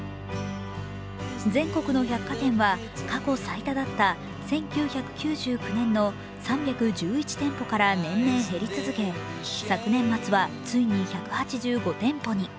全国の百貨店は、過去最多だった１９９９年の３１１店舗から年々減り続け昨年末は、ついに１８５店舗に。